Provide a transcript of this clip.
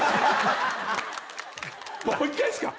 もう１回ですか？